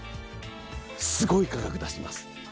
すごい価格を出しています。